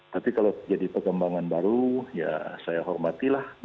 tapi kalau jadi perkembangan baru ya saya hormatilah